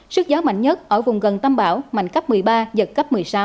sức gió mạnh nhất ở vùng gần tâm bão mạnh cấp một mươi ba giật cấp một mươi sáu